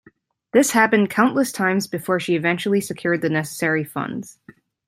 This happened countless times before she eventually secured the necessary funds.